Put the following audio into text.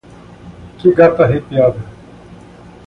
Que gata arrepiada.